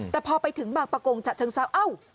แต่พอไปถึงบางประกงฉะเชิงเซาเอ้า